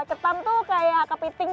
ketam itu kayak kepiting ya